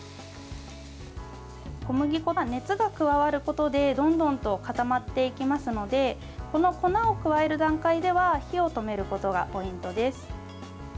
小麦粉が熱が加わることでどんどんと固まっていきますのでこの粉を加える段階では火を止めることがポイントです。